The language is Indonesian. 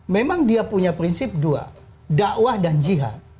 memang dia punya prinsip dua dakwah dan jihad